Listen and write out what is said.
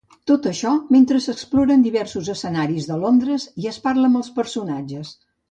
Tot això mentre s'exploren diversos escenaris de Londres i es parla amb els personatges.